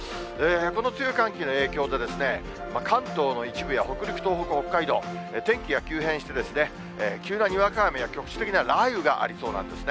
この強い寒気の影響で、関東の一部や北陸、東北、北海道、天気が急変して、急なにわか雨や、局地的な雷雨がありそうなんですね。